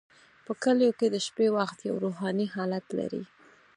په کلیو کې د شپې وخت یو روحاني حالت لري.